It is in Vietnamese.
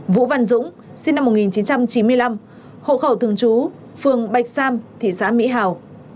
vũ văn dũng sinh năm một nghìn chín trăm chín mươi năm hộ khẩu thường trú phường bạch sam thị xã mỹ hào